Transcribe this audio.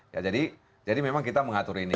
ya jadi memang kita mengatur ini